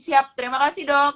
siap terima kasih dok